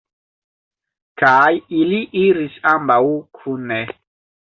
Kaj ili iris ambaŭ kune.